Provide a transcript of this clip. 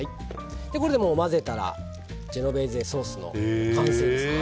これで混ぜたらジェノベーゼソースの完成です。